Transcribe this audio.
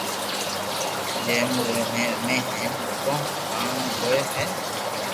جي مون رمي ھي ھين رگو ڪارٽون جوئي ھي